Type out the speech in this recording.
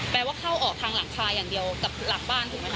ว่าเข้าออกทางหลังคาอย่างเดียวกับหลังบ้านถูกไหมค